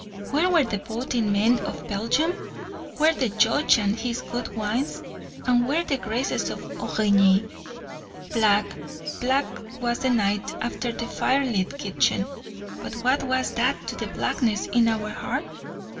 Where were the boating men of Belgium? where the Judge and his good wines? and where the graces of Origny? Black, black was the night after the firelit kitchen; but what was that to the blackness in our heart?